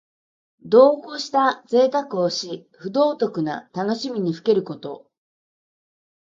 度をこしたぜいたくをし、不道徳な楽しみにふけること。